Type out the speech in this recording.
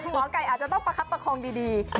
หมอไก่อาจจะต้องประคับประคองดี